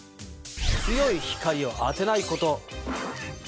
強い光を当てないこと。